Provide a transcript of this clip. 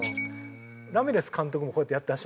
ラミレス監督もこうやって出してましたよね